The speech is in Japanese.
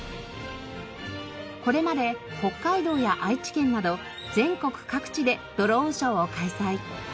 これまで北海道や愛知県など全国各地でドローンショーを開催。